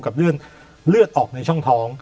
กับเรื่องเลือดออกในช่องท้อง